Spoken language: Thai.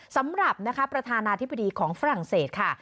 สำหรับนะคะประธานาธิบดีของฝรั่งเศสค่ะ